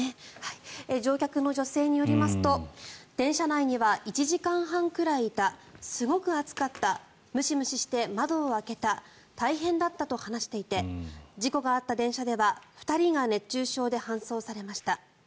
乗客の女性によると電車内には１時間半ぐらいいたすごく暑かったムシムシして窓を開けた大変だったと話していて事故があった電車では２人が熱中症で搬送されました。